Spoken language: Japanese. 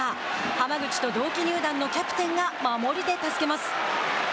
浜口と同期入団のキャプテンが守りで助けます。